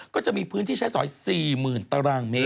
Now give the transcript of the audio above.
ก็จะมีพื้นที่ใช้สอย๔๐๐๐ตารางเมตร